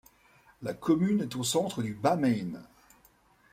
La commune est au centre du Bas-Maine.